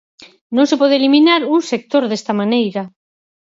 Non se pode eliminar un sector desta maneira.